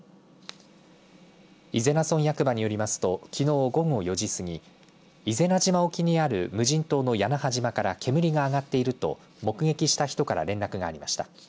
伊是名村役場によりますときのう午後４時過ぎ伊是名島沖にある無人島の屋那覇島から煙が上がっていると目撃した人から連絡がありました。